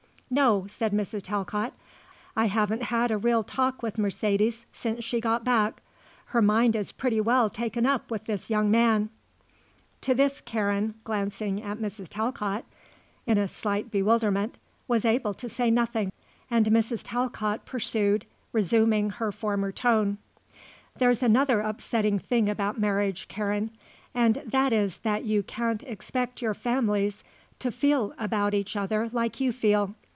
"No," said Mrs. Talcott. "I haven't had a real talk with Mercedes since she got back. Her mind is pretty well taken up with this young man." To this Karen, glancing at Mrs. Talcott in a slight bewilderment, was able to say nothing, and Mrs. Talcott pursued, resuming her former tone: "There's another upsetting thing about marriage, Karen, and that is that you can't expect your families to feel about each other like you feel.